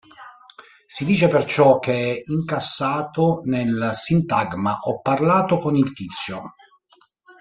Si dice perciò che è "incassato" nel sintagma "Ho parlato con il tizio".